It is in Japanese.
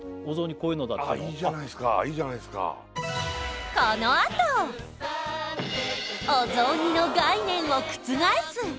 こういうのだっていうのいいじゃないっすかいいじゃないっすかお雑煮の概念を覆す！